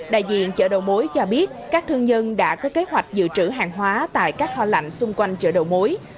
đại diện chợ đầu mối cho biết các thương nhân đã có kế hoạch dự trữ hàng hóa tại các kho lạnh xung quanh chợ đầu mối